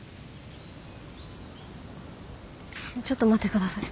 ちょっと待って下さい。